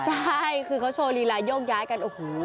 ใช่คือเขาโชว์ลีลายกย้ายกันโอ้โห